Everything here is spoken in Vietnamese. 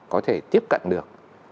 có thể tiếp cận được